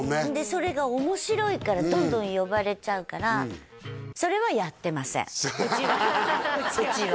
それが面白いからどんどん呼ばれちゃうからうちは？